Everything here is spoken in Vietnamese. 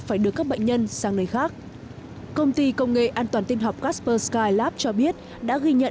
phải đưa các bệnh nhân sang nơi khác công ty công nghệ an toàn tin học casper skylab cho biết đã